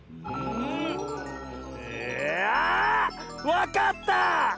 わかった！